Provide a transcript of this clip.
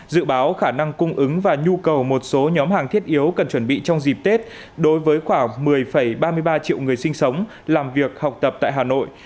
dự báo khả năng cung ứng và nhu cầu một số nhóm hàng thiết yếu cần chuẩn bị trong dịp tết đối với khoảng một mươi ba mươi ba triệu người sinh sống làm việc học tập tại hà nội